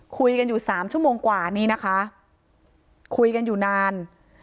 คุยกันอยู่สามชั่วโมงกว่านี้นะคะคุยกันอยู่นาน